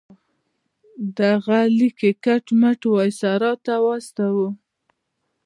د هغه لیک یې کټ مټ وایسرا ته واستاوه.